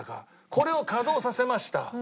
これを稼働させました。